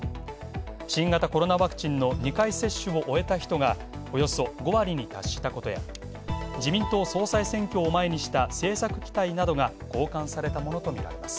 新型コロナワクチンの２回接種を終えた人がおよそ５割に達したことや、自民党総裁選を前にした政策期待などが好感されたものとみられています。